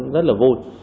rất là vui